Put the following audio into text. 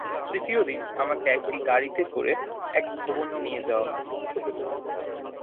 তৃতীয় দিন আমাকে একটি গাড়িতে করে এক ভবনে নিয়ে যাওয়া হয়।